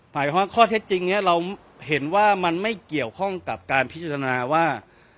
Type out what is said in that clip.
หมายความว่าข้อเท็จจริงนี้เราเห็นว่ามันไม่เกี่ยวข้องกับการพิจารณาว่า